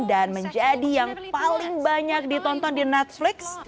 dan menjadi yang paling banyak ditonton di netflix